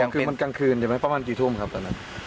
กลางคืนมันกลางคืนใช่ไหมประมาณกี่ทุ่มครับตอนนั้น